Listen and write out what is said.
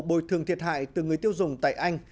bồi thường thiệt hại từ người tiêu dùng tại anh